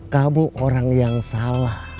kamu orang yang salah